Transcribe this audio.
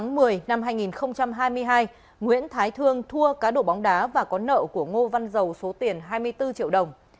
nguyễn thái thương thua cá đổ bóng đá và có nợ của ngô văn dầu số tiền hai mươi bốn triệu đồng